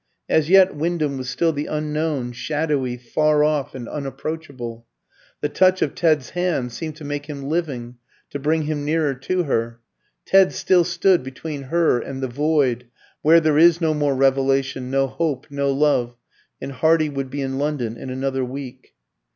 As yet Wyndham was still the unknown, shadowy, far off, and unapproachable. The touch of Ted's hand seemed to make him living, to bring him nearer to her. Ted still stood between her and the void where there is no more revelation, no hope, no love and Hardy would be in London in another week.